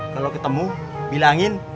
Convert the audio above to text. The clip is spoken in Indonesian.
kalo ketemu bilangin